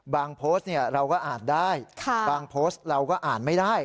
โพสต์เราก็อ่านได้บางโพสต์เราก็อ่านไม่ได้